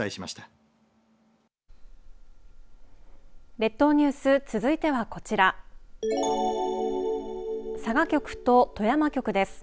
列島ニュース続いてはこちら佐賀局と富山局です。